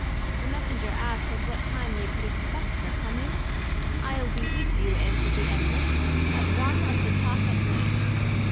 The Messenger asked at what time they should expect her coming? I'le be with you, answered the Empress, about one of the Clock at night.